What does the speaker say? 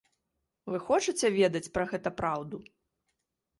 Вы хочаце ведаць пра гэта праўду?